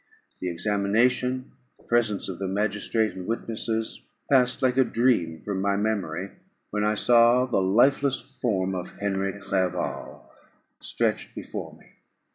The examination, the presence of the magistrate and witnesses, passed like a dream from my memory, when I saw the lifeless form of Henry Clerval stretched before me.